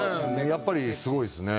やっぱりすごいっすね。